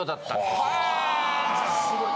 すごい。